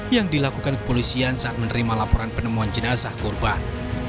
yang dilakukan kepolisian saat menerima laporan penemuan jenazah korban